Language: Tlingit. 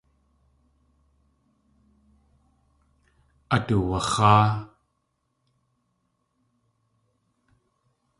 At uwax̲áa.